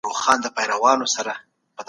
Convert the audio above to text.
علم د راتلونکي لپاره دقیق اټکل نه وړاندې کوي.